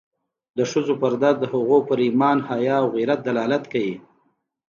د ښځو پرده د هغوی په ایمان، حیا او غیرت دلالت کوي.